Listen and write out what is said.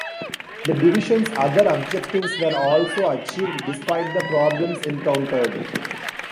The division's other objectives were also achieved despite the problems encountered.